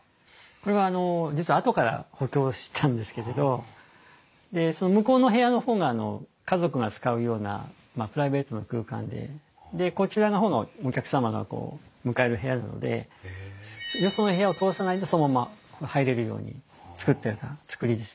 これはあの実はあとから補強したんですけれどで向こうの部屋の方が家族が使うようなプライベートな空間ででこちらの方がお客様がこう迎える部屋なのでよその部屋を通さないでそのまんま入れるように造ってた造りですね。